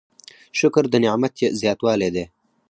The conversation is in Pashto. شکر د نعمت زیاتوالی دی؟